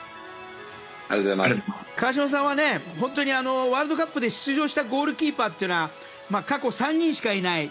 川島さんはワールドカップで出場したゴールキーパーっていうのは過去３人しかいない。